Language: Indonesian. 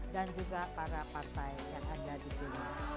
dan juga para partai yang ada di sini